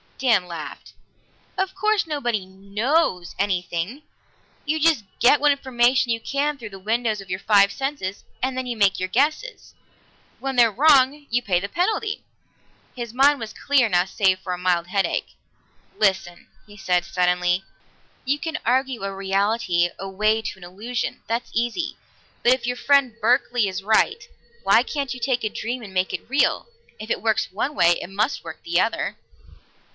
Dan laughed. "Of course nobody knows anything. You just get what information you can through the windows of your five senses, and then make your guesses. When they're wrong, you pay the penalty." His mind was clear now save for a mild headache. "Listen," he said suddenly. "You can argue a reality away to an illusion; that's easy. But if your friend Berkeley is right, why can't you take a dream and make it real? If it works one way, it must work the other."